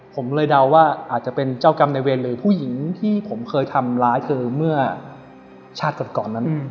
ผมเลยเดาว่าอาจจะเป็นเจ้ากรรมในเวรหรือผู้หญิงที่ผมเคยทำร้ายเธอเมื่อชาติก่อนนั้น